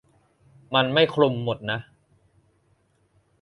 มันไม่คลุมหมดนะ